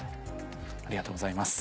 ありがとうございます